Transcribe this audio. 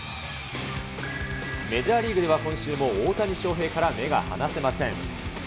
メジャーリーグでは、今週も大谷翔平から目が離せません。